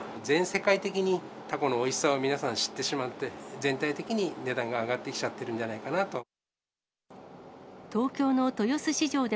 全世界的にタコのおいしさを皆さん知ってしまって、全体的に値段が上がってきちゃってるんじゃないかなと。